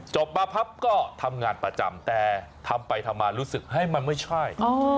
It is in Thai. จบมาพัชย์งานก็ทำงานประจำแต่ทำไปทำนมารู้สึกให้มันไม่ใช่